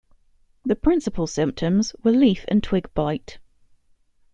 The principal symptoms were leaf and twig blight.